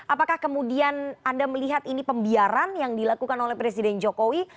apakah kemudian anda melihat ini pembiaran yang dilakukan oleh presiden jokowi